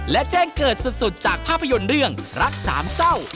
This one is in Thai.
และแจ้งเกิดสุดจากภาพยนตร์เรื่องรักสามเศร้า